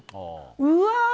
うわ！